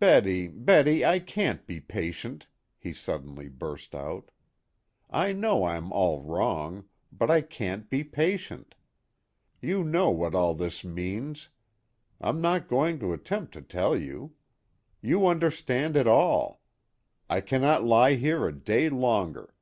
"Betty, Betty, I can't be patient," he suddenly burst out. "I know I'm all wrong; but I can't be patient. You know what all this means. I'm not going to attempt to tell you. You understand it all. I cannot lie here a day longer.